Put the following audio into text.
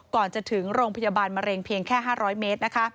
ก่อนจะถึงโรงพยาบาลมะเร็งเพียงแค่๕๐๐เมตรนะคะ